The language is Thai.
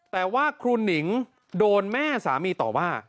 แต่ว่าครูหนิงโดนแม่สามีต่อว่า